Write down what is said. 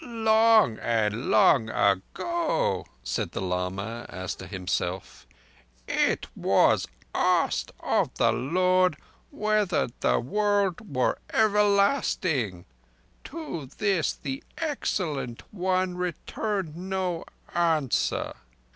"Long and long ago," said the lama, as to himself, "it was asked of the Lord whether the world were everlasting. On this the Excellent One returned no answer